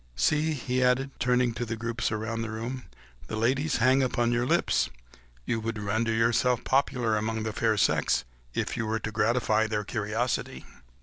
... See!" he added, turning to the groups round the room, "the ladies hang upon your lips ... you would render yourself popular among the fair sex if you were to gratify their curiosity."